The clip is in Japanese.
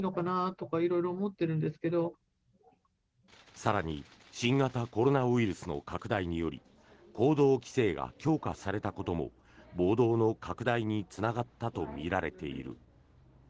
更に、新型コロナウイルスの拡大により行動規制が強化されたことも暴動の拡大につながったとみられている。